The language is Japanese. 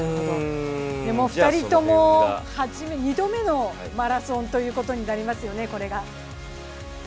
２人とも、２度目のマラソンとなりますよね、これが。